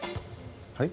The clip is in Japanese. はい？